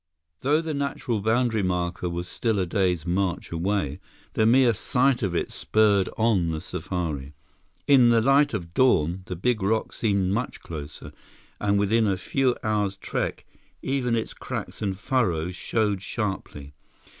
Though the natural boundary marker was still a day's march away, the mere sight of it spurred on the safari. In the light of dawn, the big rock seemed much closer, and within a few hours' trek, even its cracks and furrows showed sharply.